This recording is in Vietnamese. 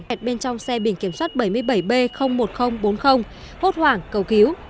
hẹt bên trong xe biển kiểm soát bảy mươi bảy b một nghìn bốn mươi hút hoảng cầu cứu